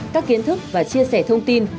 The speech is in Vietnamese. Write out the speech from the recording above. các kiến thức và chia sẻ thông tin